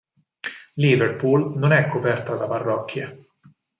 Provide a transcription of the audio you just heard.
Liverpool non è coperta da parrocchie.